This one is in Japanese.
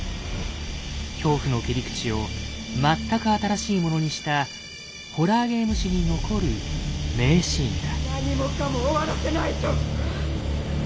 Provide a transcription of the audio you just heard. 恐怖の切り口を全く新しいものにしたホラーゲーム史に残る名シーンだ。